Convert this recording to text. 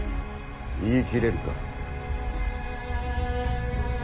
言い切れるか？